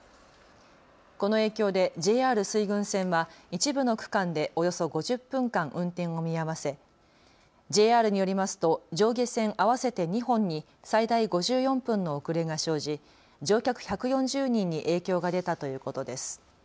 この影響でＪＲ水郡線は一部の区間でおよそ５０分間、運転を見合わせＪＲによりますと上下線合わせて２本に最大５４分の遅れが生じ乗客１４０人に影響が出たということです。